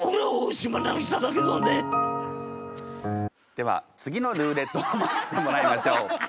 では次のルーレットを回してもらいましょう。